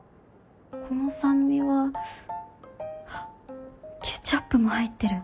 この酸味はあっケチャップも入ってる。